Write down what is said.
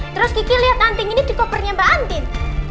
terus kiki liat anting ini di kopernya mbak andin